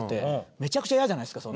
めちゃくちゃイヤじゃないですか。